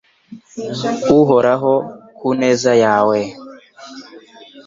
Uhoraho ku neza yawe